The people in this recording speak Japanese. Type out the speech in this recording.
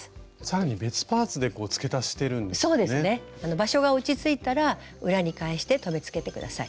場所が落ち着いたら裏に返して留めつけて下さい。